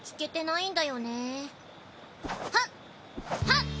はっ！